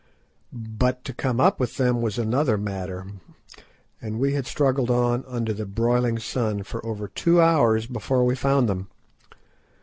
But to come up with them was another matter, and we had struggled on under the broiling sun for over two hours before we found them.